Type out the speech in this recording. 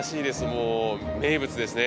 もう名物ですね